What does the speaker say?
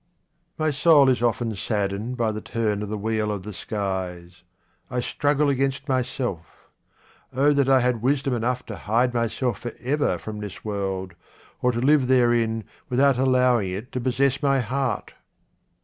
My soul is often saddened by the turn of the wheel of the skies. I struggle against myself. Oh that I had wisdom enough to hide myself for ever from this world, or to live therein without allowing it to possess my heart